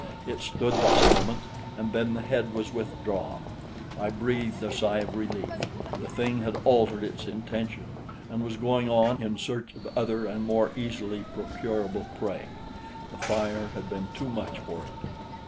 It stood thus a moment, and then the head was withdrawn. I breathed a sigh of relief, the thing had altered its intention and was going on in search of other and more easily procurable prey; the fire had been too much for it.